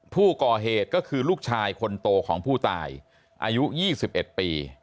ผู้ก่อเหตุก็คือลูกชายคนโตของผู้ตายอายุ๒๑ปี